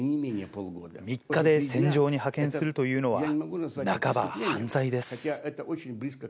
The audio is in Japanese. ３日で戦場に派遣するというのは、半ば犯罪です。